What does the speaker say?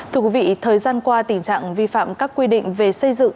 thưa quý vị thời gian qua tình trạng vi phạm các quy định về xây dựng